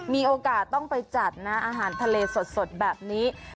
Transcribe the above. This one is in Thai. มีโอกาสต้องไปจัดนะอาหารทะเลสดแบบนี้